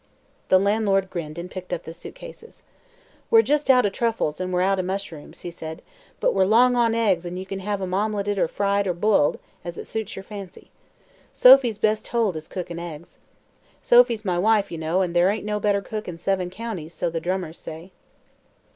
The landlord grinned and picked up the suit cases. "We're jest out o' truffles an' we're out o' mushrooms," he said, "but we're long on eggs an' ye can have 'em omeletted or fried or b'iled, as it suits yer fancy. Sophie's best hold is cookin' eggs. Sophie's my wife, ye know, an' there ain't no better cook in seven counties, so the drummers say."